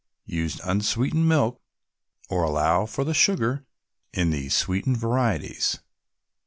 Use unsweetened milk, or allow for the sugar in the sweetened varieties.